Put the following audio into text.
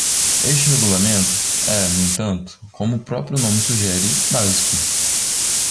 Este regulamento é, no entanto, como o próprio nome sugere, básico.